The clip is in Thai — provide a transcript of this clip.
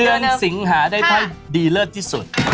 เดือนสิงหาได้ชิดดีเลอดที่สุด